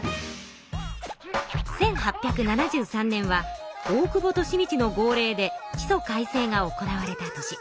１８７３年は大久保利通の号令で地租改正が行われた年。